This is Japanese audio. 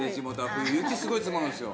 冬雪すごい積もるんですよ。